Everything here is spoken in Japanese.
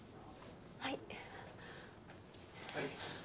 はい。